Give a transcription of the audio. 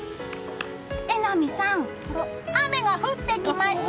榎並さん、雨が降ってきました。